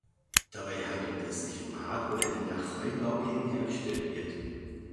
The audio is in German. Dabei handelt es sich um Hardware, die nach freien Bauplänen hergestellt wird.